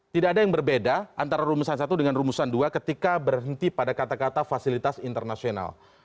tidak ada yang berbeda antara rumusan satu dengan rumusan dua ketika berhenti pada kata kata fasilitas internasional